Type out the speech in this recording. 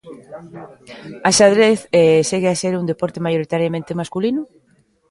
O xadrez segue a ser un deporte maioritariamente masculino?